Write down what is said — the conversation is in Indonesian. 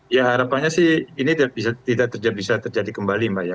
ya harapannya sih ini tidak bisa terjadi kembali mbak ya